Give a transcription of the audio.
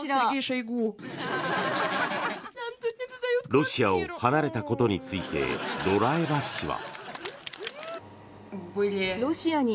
ロシアを離れたことについてロラエバ氏は。